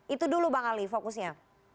itu dulu bang ali fokusnya